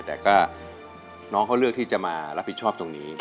แต่ก็น้องเขาเลือกที่จะมารับผิดชอบตรงนี้